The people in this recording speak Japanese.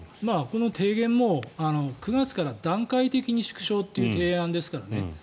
この提言も９月から段階的に縮小という提案ですからね。